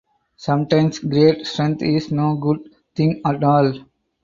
Sometimes great strength is no good thing at all.